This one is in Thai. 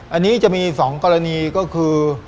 อันนี้จะมี๒กรณีก็คือ